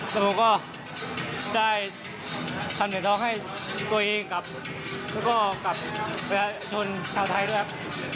แล้วผมก็ได้ทำเหนือทองให้ตัวเองครับแล้วก็กลับไปชนชาวไทยด้วยครับ